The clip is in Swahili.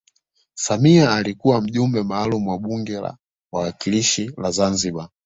samia alikuwa mjumbe maalum wa bunge la wawakilishi la zanzibar